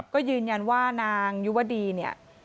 ก็ยืนยันว่านางยุวดีเนี่ย